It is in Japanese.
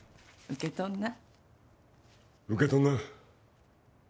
受け取んな。